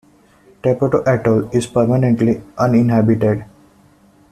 Tepoto Atoll is permanently uninhabited.